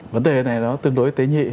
vấn đề này nó tương đối tế nhị